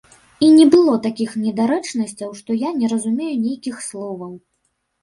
І не было такіх недарэчнасцяў, што я не разумею нейкіх словаў.